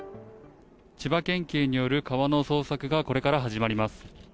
千葉県警による川の捜索がこれから始まります。